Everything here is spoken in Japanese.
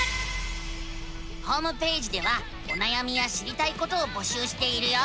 ホームページではおなやみや知りたいことを募集しているよ。